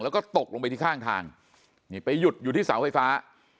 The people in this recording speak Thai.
แล้วก็ตกลงไปที่ข้างทางนี่ไปหยุดอยู่ที่เสาไฟฟ้า